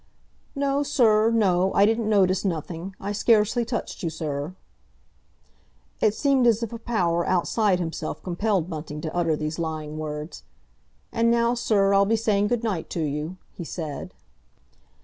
"No, sir, no. I didn't notice nothing. I scarcely touched you, sir." It seemed as if a power outside himself compelled Bunting to utter these lying words. "And now, sir, I'll be saying good night to you," he said.